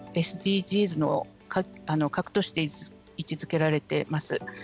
ＳＤＧｓの核として位置づけられています。